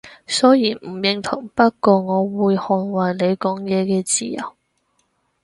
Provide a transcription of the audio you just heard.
雖然唔認同，不過我會捍衛你講嘢嘅自由